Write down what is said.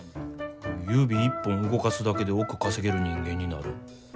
指一本動かすだけで億稼げる人間になる。